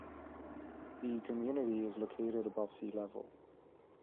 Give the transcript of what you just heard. The community is located above sea-level.